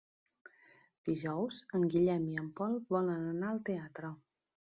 Dijous en Guillem i en Pol volen anar al teatre.